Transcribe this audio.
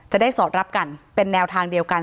สอดรับกันเป็นแนวทางเดียวกัน